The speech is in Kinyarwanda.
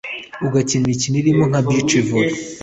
ugakina imikino irimo nka Beach Volley